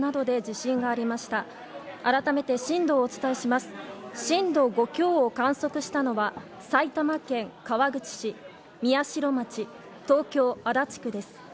震度５強を観測したのは埼玉県川口市、宮代町東京・足立区です。